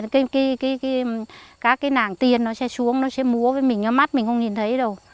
cái cái cái cái các cái nàng tiên nó sẽ xuống nó sẽ múa với mình mắt mình không nhìn thấy đâu